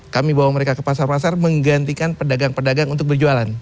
kami bawa mereka ke pasar pasar menggantikan pedagang pedagang untuk berjualan